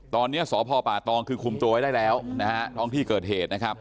ตอนนี้สพตคือคุมตัวไว้ได้แล้วทั้งที่เกิดเหตุ